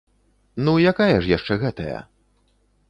Ну якая ж яшчэ гэтая?